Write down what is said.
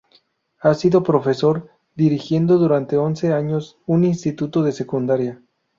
Ha sido profesor, dirigiendo durante once años un Instituto de Secundaria.